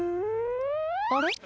「あれ？